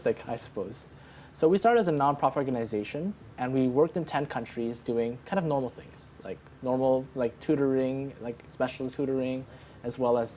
jadi kami mulai sebagai organisasi non profit dan kami bekerja di sepuluh negara yang melakukan hal hal biasa seperti tutoring tutoring khusus